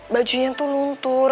bajunya tuh luntur